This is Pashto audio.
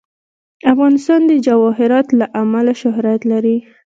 افغانستان د جواهرات له امله شهرت لري.